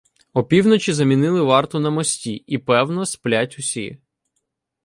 Опівночі замінили варту на мості і, певно, сплять усі.